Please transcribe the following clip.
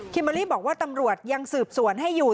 เมอรี่บอกว่าตำรวจยังสืบสวนให้อยู่